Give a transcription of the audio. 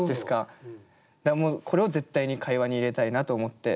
だからもうこれを絶対に会話に入れたいなと思って。